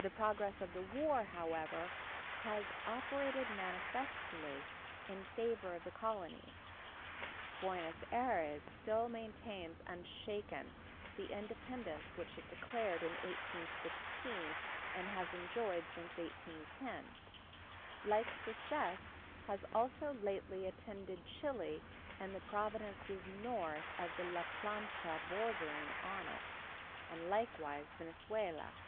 The progress of the war, however has operated manifestly in favor of the colonies. Buenos Ayres still maintains unshaken the independence which it declared in 1816, and has enjoyed since 1810. Like success has also lately attended Chili and the Provinces north of the La Plata bordering on it, and likewise Venezuela.